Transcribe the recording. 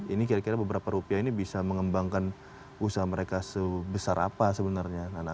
ini kira kira beberapa rupiah ini bisa mengembangkan usaha mereka sebesar apa sebenarnya